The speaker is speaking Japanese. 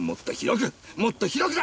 池ももっと広くだ！